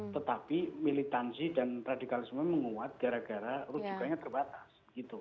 tetapi militansi dan radikalisme menguat gara gara rujukannya terbatas gitu